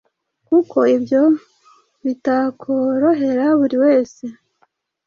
kuko ibyo bitakorohera buri wese